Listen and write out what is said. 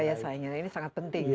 daya saingnya ini sangat penting ya